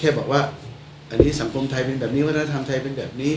บอกว่าอันนี้สังคมไทยเป็นแบบนี้วัฒนธรรมไทยเป็นแบบนี้